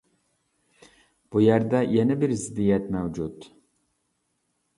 بۇ يەردە يەنە بىر زىددىيەت مەۋجۇت.